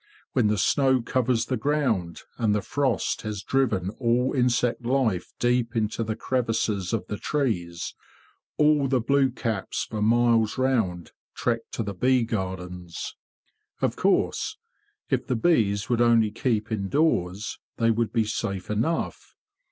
When the snow covers the ground, and the frost has driven all insect life deep into the crevices of the trees, all the blue caps for miles round trek to the bee gardens. Of course, if the bees would only keep indoors they would be safe enough.